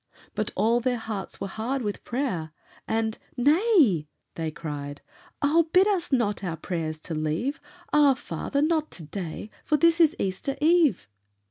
But all their hearts were hard with prayer, and "Nay," They cried, "ah, bid us not our prayers to leave; Ah, father, not to day, for this is Easter Eve".